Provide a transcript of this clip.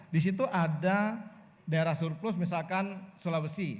di situ ada daerah surplus misalkan sulawesi